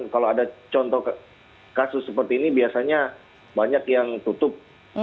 kalau ada contoh kasus seperti ini biasanya banyak yang tutup